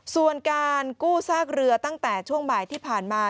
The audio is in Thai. ส่วนการกู้ซากเรือตั้งแต่ช่วงบ่ายที่ผ่านมา